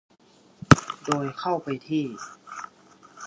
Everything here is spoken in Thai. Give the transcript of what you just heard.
โดยเข้าไปที่